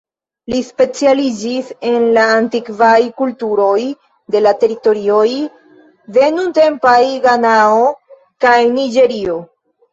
Li specialiĝis en la antikvaj kulturoj de la teritorioj de nuntempaj Ganao kaj Niĝerio.